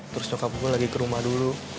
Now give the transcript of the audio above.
terus nyokap gue lagi ke rumah dulu